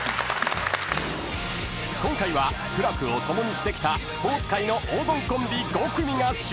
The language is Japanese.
［今回は苦楽を共にしてきたスポーツ界の黄金コンビ５組が集結］